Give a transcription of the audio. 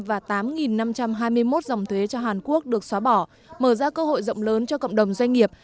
và tám năm trăm hai mươi một dòng thuế cho hàn quốc được xóa bỏ mở ra cơ hội rộng lớn cho cộng đồng doanh nghiệp